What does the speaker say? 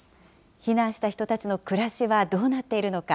避難した人たちの暮らしはどうなっているのか。